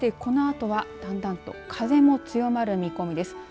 そしてこのあとはだんだんと風も強まる見込みです。